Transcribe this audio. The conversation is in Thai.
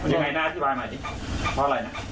ยังไงหน้าที่บาลใหม่นี่ว่าอะไร